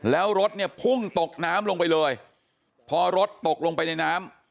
แล้วรถเนี่ยพุ่งตกน้ำลงไปเลยพอรถตกลงไปในน้ำ